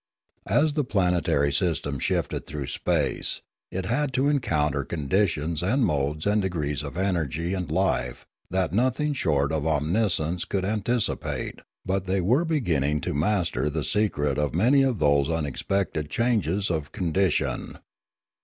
As the planetary system shifted through space, it had to encounter conditions and modes and degrees of energy and life that nothing short of omniscience could antici pate; but they were beginning to master the secret of many of those unexpected changes of condition.